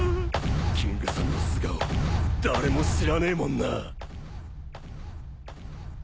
キングさんの素顔誰も知らねえもんな。